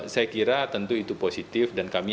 saya kira tentu itu positif dan kami